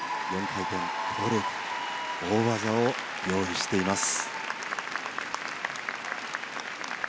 ４回転トウループ大技を用意しています。